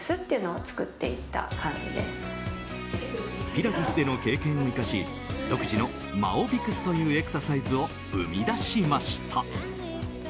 ピラティスでの経験を生かし独自のマオビクスというエクササイズを生み出しました。